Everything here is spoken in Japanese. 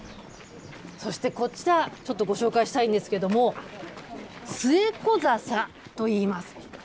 そしてこちら、ちょっとご紹介したいんですけれども、スエコザサといいます。